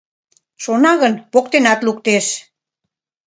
Шона гын, поктенат луктеш».